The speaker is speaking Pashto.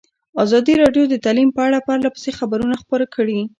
ازادي راډیو د تعلیم په اړه پرله پسې خبرونه خپاره کړي.